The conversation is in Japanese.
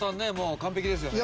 完璧ですよね。